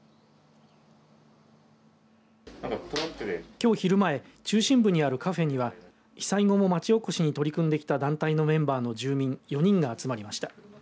きょう昼前中心部にあるカフェには被災後もまちおこしに取り組んできた団体のメンバーの住民４人が集まりました。